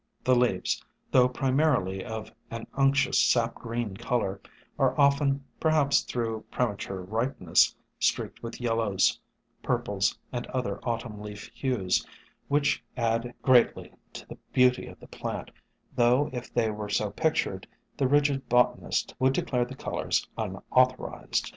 The leaves, though primarily of an unctuous sap green color, are often, perhaps through prema ture ripeness, streaked with yel lows, purples and other Autumn leaf hues, which add greatly to the beauty of the plant, though if they were so pictured, the rigid botanist would declare the colors unauthorized.